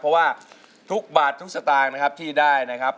เพราะว่าทุกบาททุกสตางค์นะครับที่ได้นะครับ